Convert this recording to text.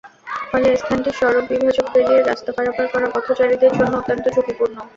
ফলে স্থানটির সড়ক বিভাজক পেরিয়ে রাস্তা পারাপার করা পথচারীদের জন্য অত্যন্ত ঝুঁকিপূর্ণ।